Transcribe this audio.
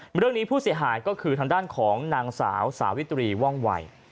เรื่องนี้ผู้เสียหายก็คือทางด้านของนางสาวสาวิตรีว่องวัย